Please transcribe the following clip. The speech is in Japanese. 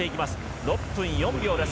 ６分４秒です。